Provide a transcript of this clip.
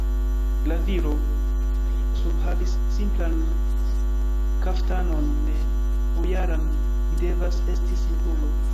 La viro surhavis simplan kaftanon, ne bojaran, li devas esti simplulo!